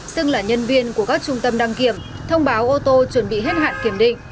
xưng là nhân viên của các trung tâm đăng kiểm thông báo ô tô chuẩn bị hết hạn kiểm định